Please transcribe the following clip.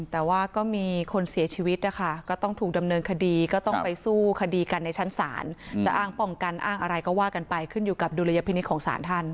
แต่ว่าก็มีคนเสียชีวิตนะคะก็ต้องถูกดำเนินคดีก็ต้องไปสู้คดีกันในชั้นศาลจะอ้างป้องกันอ้างอะไรก็ว่ากันไปขึ้นอยู่กับดุลยพินิษฐ์ของศาลท่าน